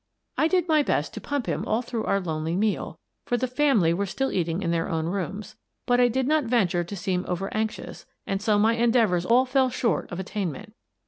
I did my best to pump him all through our lonely meal, — for the family were still eating in their own rooms, — but I did not venture to seem over anxious, and so my endeavours all fell short of at tainment.